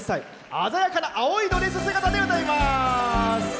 鮮やかな青いドレス姿で歌います。